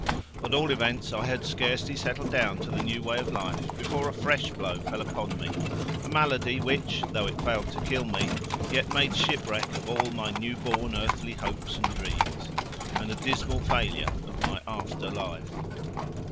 At all events, I had scarcely settled down to the new way of life before a fresh blow fell upon me, a malady which, though it failed to kill me, yet made shipwreck of all my new born earthly hopes and dreams, and a dismal failure of my after life.